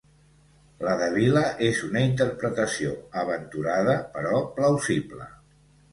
La de Vila és una interpretació aventurada, però plausible.